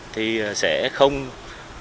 thì sẽ không có